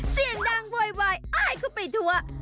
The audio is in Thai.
เสียงดังวายอ้ายก็ไปทัวร์